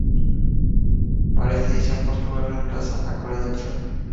Para esta edición Portugal reemplaza a Corea del Sur.